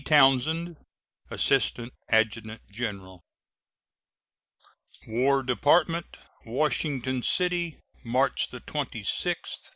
TOWNSEND, Assistant Adjutant General. WAR DEPARTMENT, Washington City, March 26, 1869.